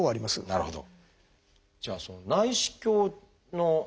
なるほど。